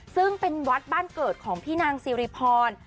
ซึ่งเป็นวัดบ้านเกิดของพี่นางซิริพร